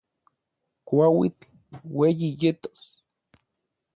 Kuauitl ueyi yetos.